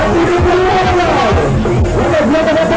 เยี่ยม